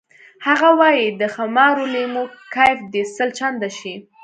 هغه وایی د خمارو لیمو کیف دې سل چنده شي